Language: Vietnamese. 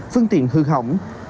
phương tiện hư hỏng